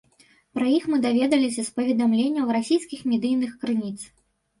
Пра іх мы даведаліся з паведамленняў расійскіх медыйных крыніц.